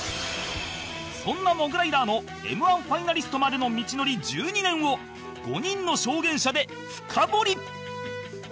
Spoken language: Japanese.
そんなモグライダーの Ｍ−１ ファイナリストまでの道のり１２年を５人の証言者で深掘り